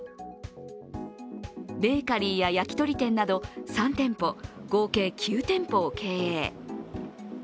ベーカリーや焼き鳥店など３店舗、合計９店舗を経営。